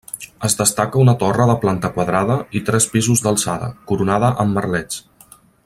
Es destaca una torre de planta quadrada i tres pisos d'alçada, coronada amb merlets.